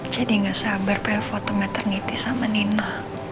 jadi gak sabar pengen foto maternity sama nina